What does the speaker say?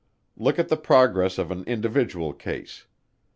Look at the progress of an individual case.